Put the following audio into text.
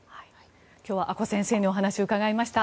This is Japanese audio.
今日は阿古先生にお話を伺いました。